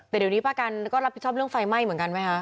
แต่เดี๋ยวนี้ประกันก็รับผิดชอบเรื่องไฟไหม้เหมือนกันไหมคะ